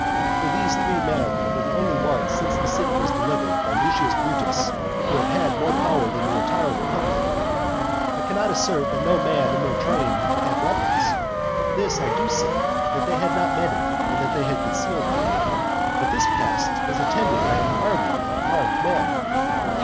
For these three men are the only ones since the city was delivered by Lucius Brutus, who have had more power than the entire republic. I cannot assert that no man in their trains had weapons. This I do say, that they had not many, and that they concealed them. But this pest was attended by an army of armed men.